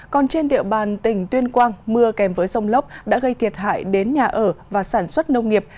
còn trên địa bàn tỉnh tuyên quang mưa kèm với rông lốc đã gây thiệt hại đến nhà ở và sản xuất nông nghiệp